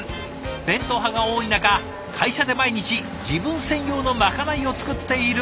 弁当派が多い中会社で毎日自分専用のまかないを作っている方が。